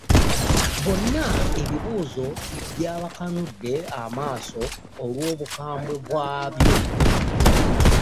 Bonna ebibuuzo by'abakannudde amaaso olw'obukaambwe bw'abyo